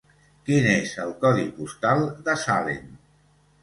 Quin és el codi postal de Salem?